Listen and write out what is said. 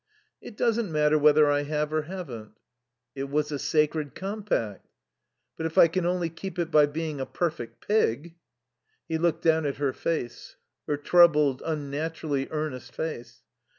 "It doesn't matter whether I have or haven't." "It was a sacred compact." "But if I can only keep it by being a perfect pig " He looked down at her face, her troubled, unnaturally earnest face.